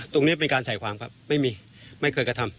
ตรงนี้เป็นการใส่ความครับไม่มีไม่เคยกระทำ